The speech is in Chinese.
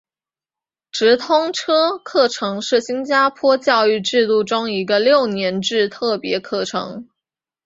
直通车课程是新加坡教育制度中的一个六年制特别课程。